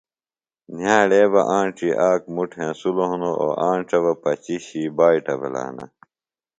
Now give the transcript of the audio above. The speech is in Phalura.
نِھیاڑے بہ آنڇیۡ آک مُٹ ہینسلوۡ ہنوۡ اوۡ آنڇہ بہ پچیۡ شی بائٹہ بِھلہ ہنہ